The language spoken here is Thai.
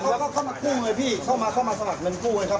เขาก็เข้ามาก็เข้ามาค่ะเข้ามาเข้ามาสมัครเนินกู้เลยครับ